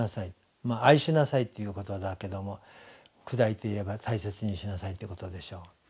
愛しなさいということだけども砕いて言えば大切にしなさいということでしょう。